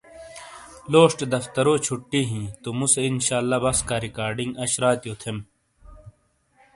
لوشٹے دفترو چھُٹی ہیں تو موسے انشااللہ بَسکا ریکارڈنگ اش راتیو تھیم ۔